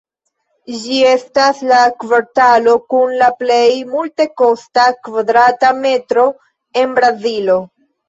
Ĝi estas la kvartalo kun la plej multekosta kvadrata metro en Brazilo.